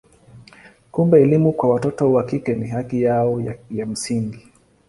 Kumbe elimu kwa watoto wa kike ni haki yao ya msingi.